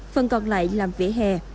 phần còn lại làm vỉa hè